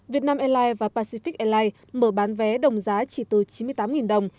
việt nam airlines và pacific airlines mở bán vé đồng giá chỉ từ chín mươi tám đồng